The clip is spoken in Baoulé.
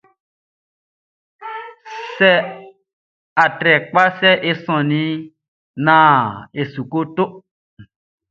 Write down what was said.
Atrɛkpaʼn, sɛ e sɔnnin naan e su kɔ toʼn.